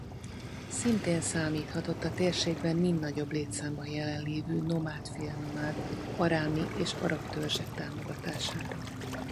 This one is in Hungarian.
Szintén számíthatott a térségben mind nagyobb létszámban jelenlévő nomád-félnomád arámi és arab törzsek támogatására.